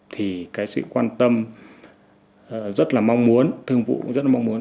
thì cái sự quan tâm rất là mong muốn thương vụ cũng rất là mong muốn